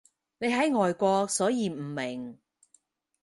你喺外國所以唔明